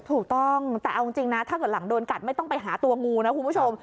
ถูกต้องแต่เอาจริงนะถ้าเกิดหลังโดนกัดไม่ต้องไปหาตัวงูนะคุณผู้ชม